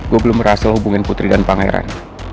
gue belum merasa hubungin putri dan pangeran